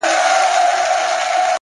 راهب په کليسا کي مردار ښه دی” مندر نسته